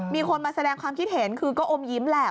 มีคนมาแสดงความคิดเห็นคือก็อมยิ้มแหละ